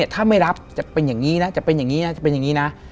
ถ้าไม่รับจะเป็นอย่างนี้นะจะเป็นอย่างนี้นะจะเป็นอย่างนี้นะ